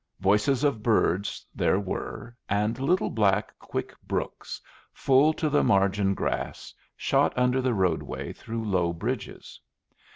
Voices of birds there were; and little, black, quick brooks, full to the margin grass, shot under the roadway through low bridges.